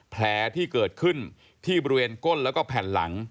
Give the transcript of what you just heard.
แผลที่เกิดขึ้นที่บริเวณก้นแล้วก็แผ่นหลัง